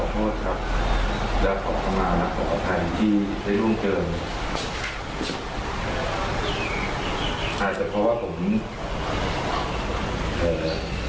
พี่ใจเย็นกว่าขอบความสัมพงษ์ด้วยที่แสดงทฤษฐการที่ไม่ดี